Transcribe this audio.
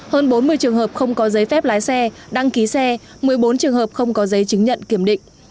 hơn bốn mươi trường hợp không có giấy phép lái xe đăng ký xe một mươi bốn trường hợp không có giấy chứng nhận kiểm định